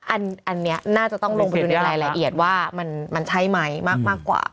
อันนี้น่าจะต้องลงไปดูในรายละเอียดว่ามันใช่ไหมมากกว่า